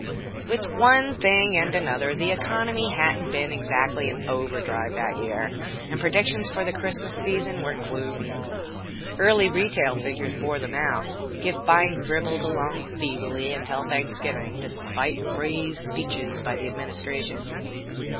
With one thing and another, the economy hadn't been exactly in overdrive that year, and predictions for the Christmas season were gloomy. Early retail figures bore them out. Gift buying dribbled along feebly until Thanksgiving, despite brave speeches by the Administration.